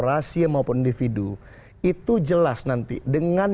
bisa jadi perseorangan